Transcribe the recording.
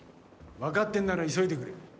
分かってるなら急いでくれ。